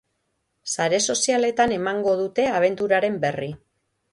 Sare sozialetan emango dute abenturaren berri.